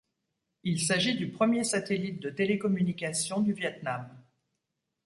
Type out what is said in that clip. Il s'agit du premier satellite de télécommunications du Vietnam.